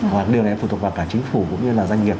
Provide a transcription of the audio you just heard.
hoặc điều này phụ thuộc vào cả chính phủ cũng như là doanh nghiệp